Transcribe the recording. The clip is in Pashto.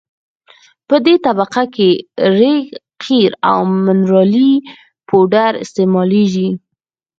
په دې طبقه کې ریګ قیر او منرالي پوډر استعمالیږي